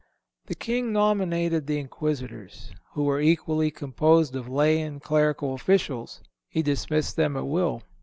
The King nominated the Inquisitors, who were equally composed of lay and clerical officials. He dismissed them at will.